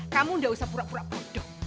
kamu gak usah pura pura pucuk